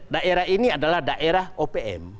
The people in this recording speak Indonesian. daerah ini adalah daerah opm